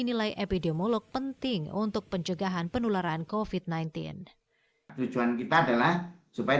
nilai epidemiolog penting untuk pencegahan penularan kofit sembilan belas tujuan kita adalah supaya